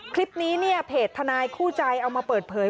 คลิปนี้เนี่ยเพจทนายคู่ใจเอามาเปิดเผย